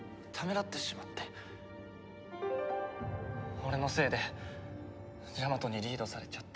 俺のせいでジャマトにリードされちゃって。